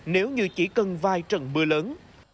nếu như chỉ cần vài trận mưa lớn